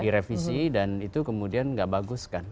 direvisi dan itu kemudian nggak bagus kan